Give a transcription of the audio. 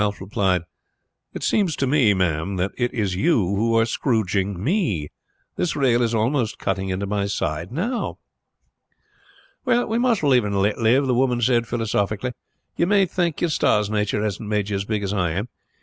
"It seems to me, ma'am, that it is you who are scrouging me," Ralph replied. "This rail is almost cutting into my side now." "Well, we must live and let live!" the woman said philosophically. "You may thank your stars nature hasn't made you as big as I am.